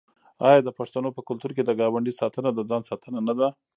آیا د پښتنو په کلتور کې د ګاونډي ساتنه د ځان ساتنه نه ده؟